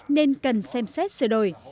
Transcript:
nên cần xem xét sửa đổi